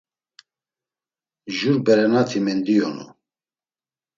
Jur berenati mendiyonu.